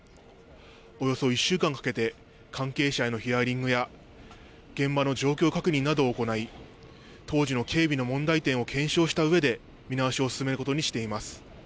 およそ１週間かけて関係者へのヒアリングや、現場の状況確認などを行い、当時の警備の問題点を検証したうえで見直しを進めることにしています。